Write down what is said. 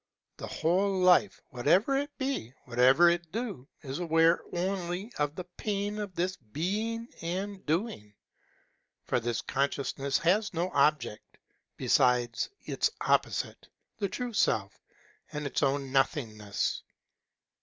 The whole life, whatever it be, whatever it do, is aware only of the pain of this being and doing. For this Consciousness has no object besides its opposite, the true Self, and its own nothingness.